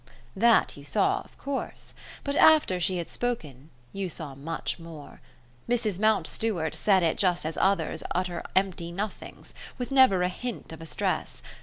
That you saw, of course. But after she had spoken you saw much more. Mrs. Mountstuart said it just as others utter empty nothings, with never a hint of a stress.